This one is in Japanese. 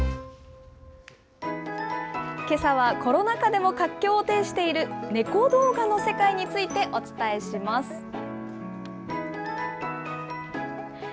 けさはコロナ禍でも活況を呈している猫動画の世界についてお伝えします。